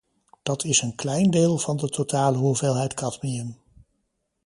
Dat is een klein deel van de totale hoeveelheid cadmium.